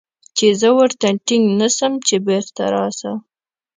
چې زه ورته ټينګ نه سم چې بېرته راسه.